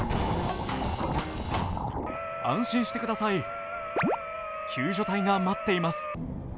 安心してください、救助隊が待っています。